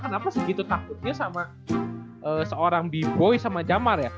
kenapa segitu takutnya sama seorang bivoy sama jamar ya